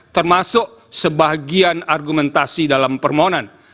termasuk sebagian argumentasi dalam permohonan